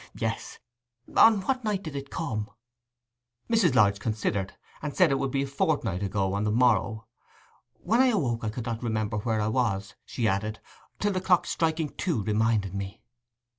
'Ha, ha! Yes ... On what night did it come?' Mrs. Lodge considered, and said it would be a fortnight ago on the morrow. 'When I awoke I could not remember where I was,' she added, 'till the clock striking two reminded me.